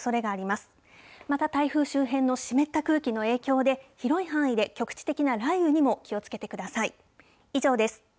また台風周辺の湿った空気の影響で、広い範囲で局地的な雷雨にも気をつけてください。